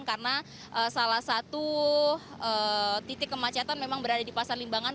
karena salah satu titik kemacetan memang berada di pasar limbangan